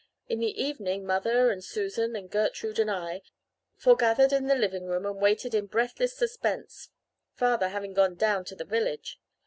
In the evening mother and Susan and Gertrude and I forgathered in the living room and waited in breathless suspense, father having gone down to the village.